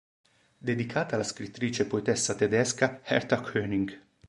Dedicata alla scrittrice e poetessa tedesca Hertha Koenig.